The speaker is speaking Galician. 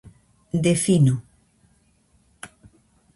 Defino.